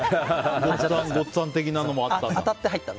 ごっつあん的なのもあった。